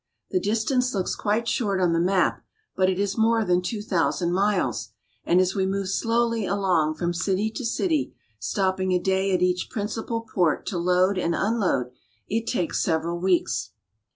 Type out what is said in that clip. The distance looks quite short on the map, but it is more than two thousand miles, and as we move slowly along from city to city, stopping a day at each principal port to load and unload, it takes several weeks.